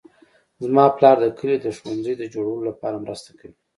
زما پلار د کلي د ښوونځي د جوړولو لپاره مرسته کوي